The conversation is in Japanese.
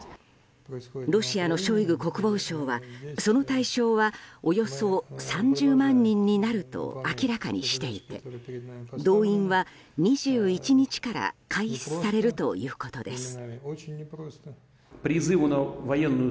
ロシアのショイグ国防相はその対象はおよそ３０万人になると明らかにしていて動員は、２１日から開始されるということです。